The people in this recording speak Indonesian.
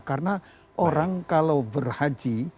karena orang kalau berhaji